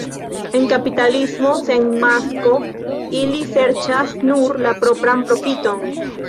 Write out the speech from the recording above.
En kapitalismo sen masko ili serĉas nur la propran profiton.